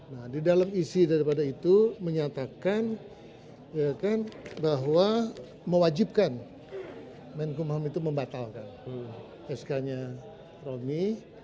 nah di dalam isi daripada itu menyatakan bahwa mewajibkan menkumham itu membatalkan sk nya romi